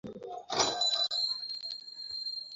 Bernardo ভাবে আমি একটা শিশু।